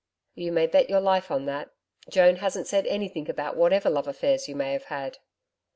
'You may bet your life on that. Joan hasn't said anything about whatever love affairs you may have had.'